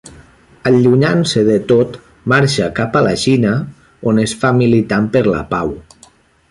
Allunyant-se de tot, marxa cap a la Xina on es fa militant per la pau.